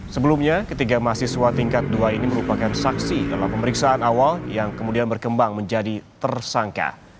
sebelumnya ketiga mahasiswa tingkat dua ini merupakan saksi dalam pemeriksaan awal yang kemudian berkembang menjadi tersangka